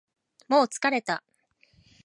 もう疲れた